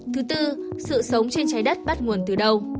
thứ tư sự sống trên trái đất bắt nguồn từ đâu